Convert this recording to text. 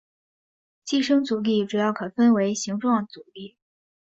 寄生阻力主要可以分为形状阻力。